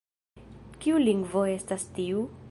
Kiu lingvo estas tiu?